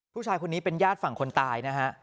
ผู้ชายคนนี้เป็นญาติฝั่งคนตายนะฮะ